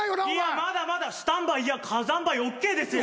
まだまだスタンバイいや火山灰ＯＫですよ。